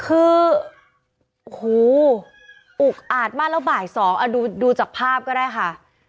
คือโอ้โหอุกอาดมากแล้วบ่าย๒ดูจากภาพก็ได้ค่ะ